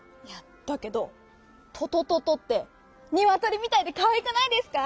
だけど「とととと」ってニワトリみたいでかわいくないですか？